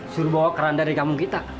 suruh bawa keran dari kampung kita